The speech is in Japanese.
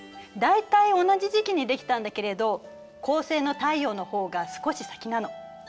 大体同じ時期にできたんだけれど恒星の太陽の方が少し先なの。